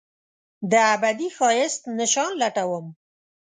دابدي ښایست نشان لټوم